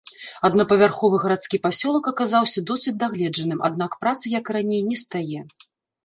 Аднапавярховы гарадскі пасёлак аказаўся досыць дагледжаным, аднак працы, як і раней, нестае.